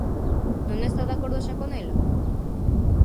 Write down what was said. ¿Non está de acordo xa con ela?